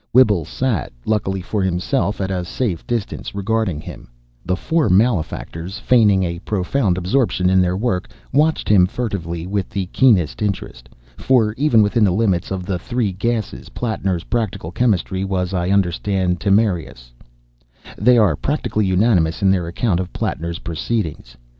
Whibble sat, luckily for himself, at a safe distance, regarding him. The four malefactors, feigning a profound absorption in their work, watched him furtively with the keenest interest. For even within the limits of the Three Gases, Plattner's practical chemistry was, I understand, temerarious. They are practically unanimous in their account of Plattner's proceedings.